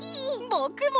ぼくも！